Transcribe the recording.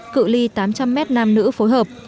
cự li tám trăm linh m nam nữ phối hợp